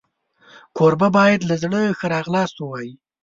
کوربه باید له زړه ښه راغلاست ووایي.